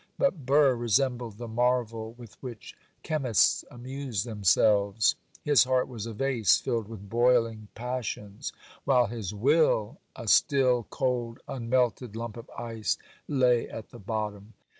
But Burr resembled the marvel with which chemists amuse themselves. His heart was a vase filled with boiling passions, while his will, a still, cold, unmelted lump of ice, lay at the bottom.